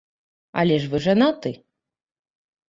Але ж вы жанаты.